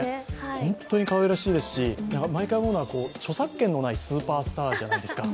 本当にかわいらしいですし毎回思うのは著作権のないスーパースターじゃないですか。